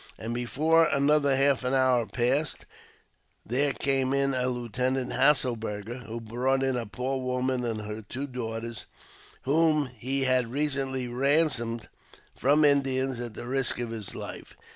And before another half hour passed, there came in a Lieu tenant Hesselberger, who brought in a poor woman and her two daughters, whom he had recently ransomed from Indians at the risk of his life.